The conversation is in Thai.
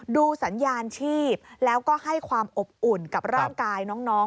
ดูสัญญาณชีพแล้วก็ให้ความอบอุ่นกับร่างกายน้อง